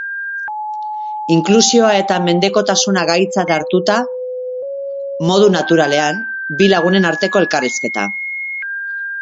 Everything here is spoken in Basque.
Inklusioa eta mendekotasuna gaitzat hartuta, modu naturalean, bi lagunen arteko elkarrizketa.